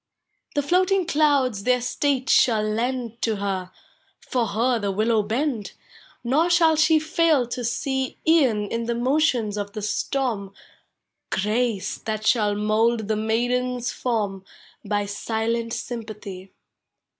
" The tloating clouds their stale shall lend To her; for her the willow bend ; Nor shall she fail to see E'en in the motions of the storm Grace that shall mould the maiden's form \\\ silent sympathy.